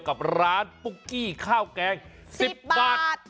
กับร้านปุ๊กกี้ข้าวแกง๑๐บาท